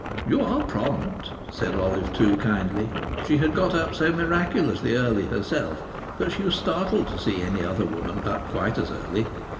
"You are prompt," said Olive Two, kindly. She had got up so miraculously early herself that she was startled to see any other woman up quite as early.